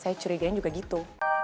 saya curigainya juga gitu